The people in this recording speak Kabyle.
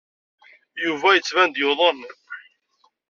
Yuba yettban-d yuḍen.